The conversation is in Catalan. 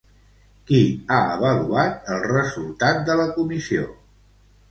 Qui ha avaluat el resultat de la comissió?